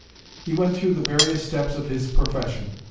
He went through the various steps of his profession.